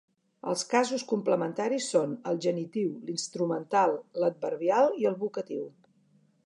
Els casos complementaris són el genitiu, l'instrumental, l'adverbial i el vocatiu.